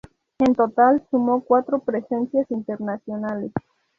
En total, sumó cuatro presencias internacionales.